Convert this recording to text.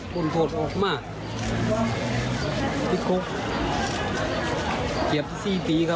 กลับมาอีกครั้งค่ะ